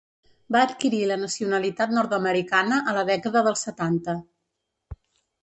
Va adquirir la nacionalitat nord-americana a la dècada dels setanta.